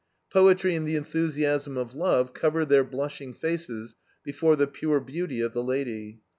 Poetry and the enthusiasm of love cover their blushing faces before the pure beauty of the lady.